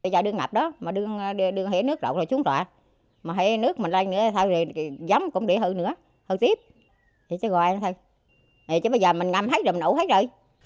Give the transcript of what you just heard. giờ đưa ngập đó đưa hế nước rộng rồi xuống rồi